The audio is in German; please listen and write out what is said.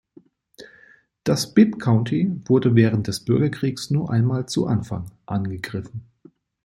Das Bibb County wurde während des Bürgerkriegs nur einmal zu Anfang angegriffen.